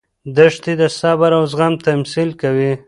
دښتې د صبر او زغم تمثیل کوي.